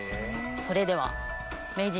それでは名人！